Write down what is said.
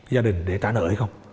gia đình để trả nợ hay không